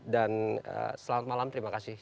dan selamat malam terima kasih